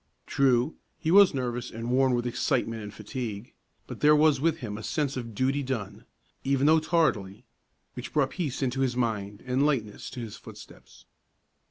True, he was nervous and worn with excitement and fatigue, but there was with him a sense of duty done, even though tardily, which brought peace into his mind and lightness to his footsteps.